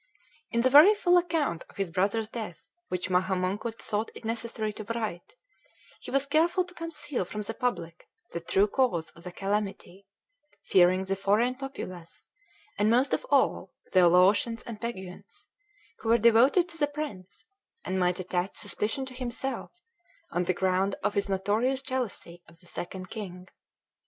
In the very full account of his brother's death which Maha Mongkut thought it necessary to write, he was careful to conceal from the public the true cause of the calamity, fearing the foreign populace, and, most of all, the Laotians and Peguans, who were devoted to the prince, and might attach suspicion to himself, on the ground of his notorious jealousy of the Second King.